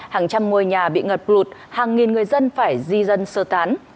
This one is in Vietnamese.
hàng trăm ngôi nhà bị ngập lụt hàng nghìn người dân phải di dân sơ tán